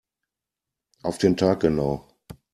Auf den Tag genau.